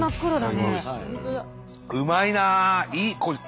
うまいなあ！